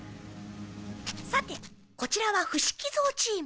さてこちらは伏木蔵チーム。